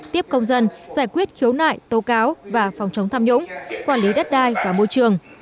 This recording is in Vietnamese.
tiếp công dân giải quyết khiếu nại tố cáo và phòng chống tham nhũng quản lý đất đai và môi trường